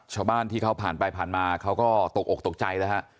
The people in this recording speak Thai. ชาวบ้านที่เขาผ่านไปผ่านมาเขาก็ตกอกตกใจแล้วฮะ